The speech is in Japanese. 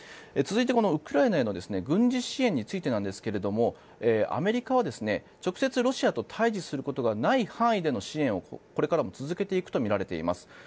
続いて、ウクライナへの軍事支援についてなんですがアメリカは直接ロシアと対峙することがない範囲での支援をこれからも続けていくとみられています。